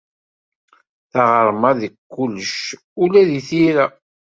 Taɣerma deg kullec, ula deg tira.